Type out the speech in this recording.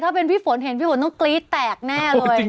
ถ้าเป็นพี่ฝนเห็นพี่ฝนต้องกรี๊ดแตกแน่เลย